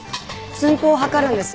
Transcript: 寸法を測るんです。